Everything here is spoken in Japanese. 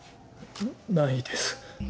ないです。